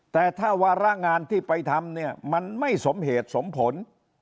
แต่ถ้าวาระงานที่ไปทำเนี่ยมันไม่สมเหตุสมผล